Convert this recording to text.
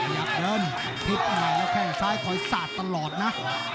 ยับเดินพลิกออกมาแล้วแค่ขอยซาดตลอดนะ